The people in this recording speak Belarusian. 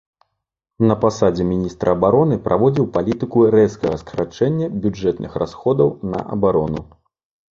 На пасадзе міністра абароны праводзіў палітыку рэзкага скарачэння бюджэтных расходаў на абарону.